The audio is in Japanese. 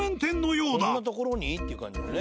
こんな所に？っていう感じのね。